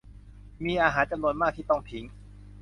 มีอาหารจำนวนมากที่ต้องทิ้ง